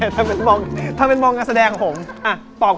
ถ้าเป็นมองวงการแสดงของผม